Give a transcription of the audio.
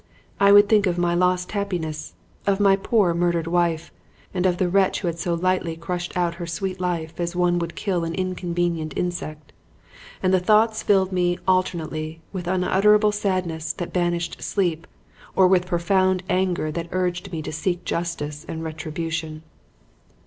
I would think of my lost happiness, of my poor, murdered wife and of the wretch who had so lightly crushed out her sweet life as one would kill an inconvenient insect; and the thoughts filled me alternately with unutterable sadness that banished sleep or with profound anger that urged me to seek justice and retribution.